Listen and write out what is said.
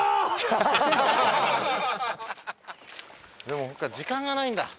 でも時間がないんだ。